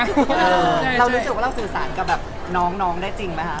เรารู้สึกว่าเราสื่อสารกับแบบน้องได้จริงไหมคะ